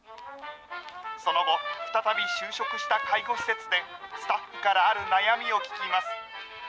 その後、再び就職した介護施設で、スタッフからある悩みを聞きます。